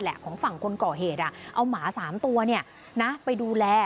เอาหมา๓ตัวไปดูแล